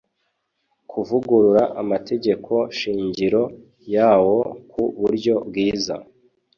kuvugurura Amategeko shingiro yawo ku buryo bwiza